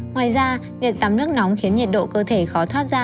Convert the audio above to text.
ngoài ra việc giảm nước nóng khiến nhiệt độ cơ thể khó thoát ra